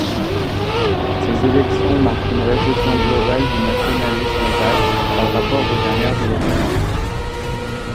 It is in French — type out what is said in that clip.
Ces élections marquent une récession globale du nationalisme basque par rapport aux dernières élections.